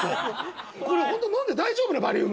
「これ本当飲んで大丈夫なバリウム？」